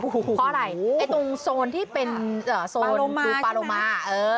เพราะอะไรตรงโซนที่เป็นโซนซูปาโลมา